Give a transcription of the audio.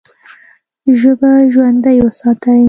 ژبه ژوندۍ وساتئ!